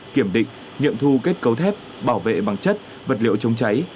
kiểm định nghiệm thu kết cấu thép bảo vệ bằng chất vật liệu chống cháy